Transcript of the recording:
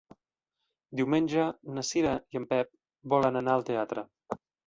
Diumenge na Cira i en Pep volen anar al teatre.